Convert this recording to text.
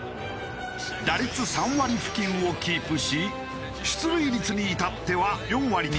打率３割付近をキープし出塁率に至っては４割に迫り